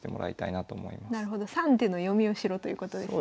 ３手の読みをしろということですね。